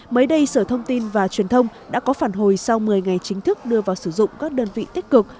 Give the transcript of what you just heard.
mới đây sở thông tin và truyền thông đã có phản hồi sau một mươi ngày chính thức đưa vào sử dụng các đơn vị tích cực